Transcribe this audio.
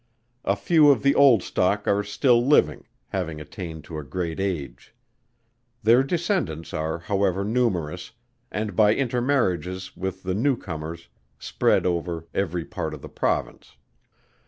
A few of the old stock are still living, having attained to a great age. Their descendants are however numerous, and by intermarriages with the new comers, spread over every part of the Province.